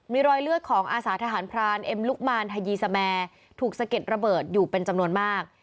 มีรอยเลือดของอาสาทหารพรานเอ็มลุกมานฮายีสแมร์ถูกสะเก็ดระเบิดอยู่เป็นจำนวนมาก